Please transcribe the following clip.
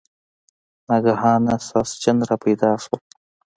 ناګهانه ساسچن را پیدا شول.